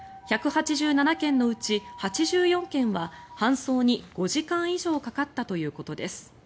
１８７件のうち８４件は搬送に５時間以上かかったということです。